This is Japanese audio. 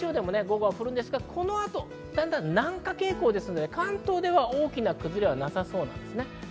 ただ、東海地方は午後降りますが、この後、だんだん南下傾向ですので、関東では大きな崩れはなさそうです。